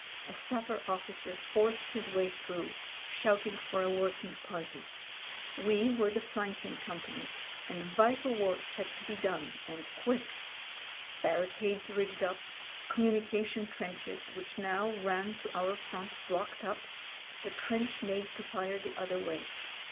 A sap per officer forced his way through shouting for a working party. We were the flanking company, and vital work had to be done and quick. Barricades rigged . up, communication trenches which now ran to our Front blocked up, the trench made to fire the other way.